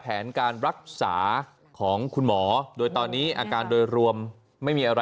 แผนการรักษาของคุณหมอโดยตอนนี้อาการโดยรวมไม่มีอะไร